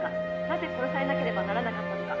「なぜ殺されなければならなかったのか？」